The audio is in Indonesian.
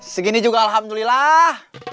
segini juga alhamdulillah